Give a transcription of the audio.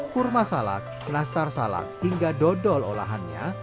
kurma salak nastar salak hingga dodol olahannya